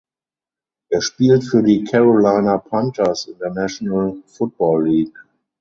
Er spielt für die Carolina Panthers in der National Football League.